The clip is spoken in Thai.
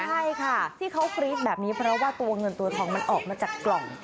ใช่ค่ะที่เขากรี๊ดแบบนี้เพราะว่าตัวเงินตัวทองมันออกมาจากกล่อง